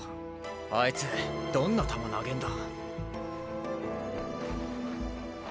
あいつどんな球投げんだ？